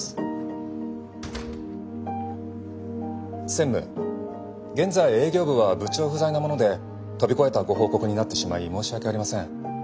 専務現在営業部は部長不在なもので飛び越えたご報告になってしまい申し訳ありません。